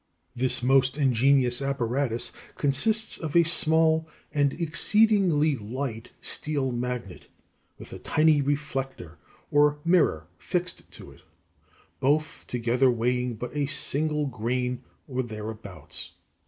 This most ingenious apparatus consists of a small and exceedingly light steel magnet (a) (Fig. 19) with a tiny reflector or mirror fixed to it, both together weighing but a single grain or thereabouts.